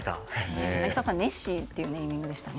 柳澤さん、ネッシーってネーミングでしたね。